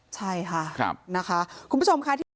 ใช่ค่ะคุณผู้ชมค่ะ